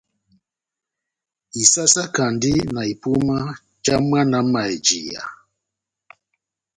Isásákandi na ipuma já mwana ó mayèjiya.